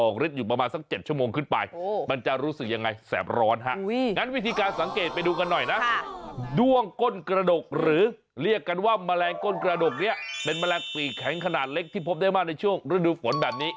ก้นกระดกนี้เป็นแมลงปีแข็งขนาดเล็กที่พบได้มากในช่วงฤดูฝนแบบนี้